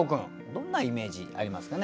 どんなイメージありますかね？